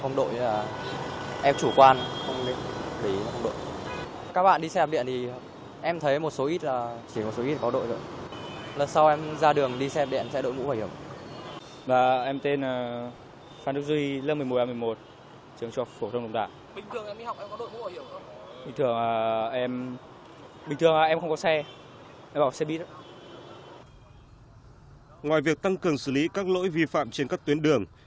ngoài việc tăng cường xử lý các lỗi vi phạm trên các tuyến đường